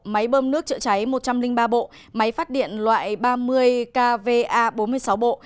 máy bơm nước chữa cháy một trăm linh ba bộ máy phát điện loại ba mươi kva bốn mươi sáu bộ